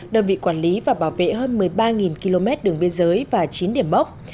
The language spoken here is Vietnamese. đồn bị quản lý và bảo vệ hơn một mươi ba km đường biên giới và chín điểm bốc